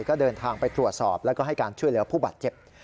ก็เดินทางไปตรวจสอบแล้วก็ให้การช่วยเหลือผู้บาดเจ็บ